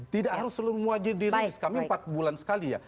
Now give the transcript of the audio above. tidak harus selalu mewajib diri kami empat bulan sekali ya